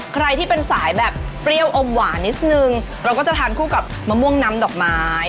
ใครที่เป็นสายแบบเปรี้ยวอมหวานนิดนึงเราก็จะทานคู่กับมะม่วงน้ำดอกไม้